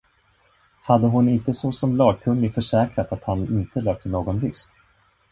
Hade hon inte såsom lagkunnig försäkrat att han inte löpte någon risk?